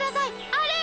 あれ！